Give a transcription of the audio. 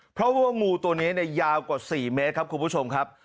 เพราะว่างูตัวนี้ยาวกว่า๔เมตรครับคุณผู้ชมครับ